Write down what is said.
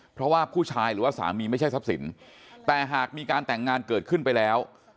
เพราะว่าผู้ชายหรือว่าสามีไม่ใช่ทรัพย์สินแต่หากมีการแต่งงานเกิดขึ้นไปแล้ว